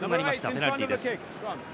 ペナルティーです。